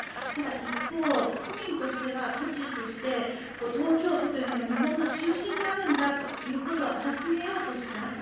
ただ、一方、都民としては都知事として東京都というのが日本の中心にあるんだということをあらしめようとした。